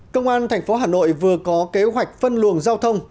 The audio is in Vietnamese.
công an tp hà nội vừa có kế hoạch phân luồng giao thông